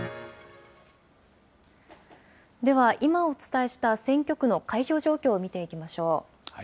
では、今お伝えした選挙区の開票状況を見ていきましょう。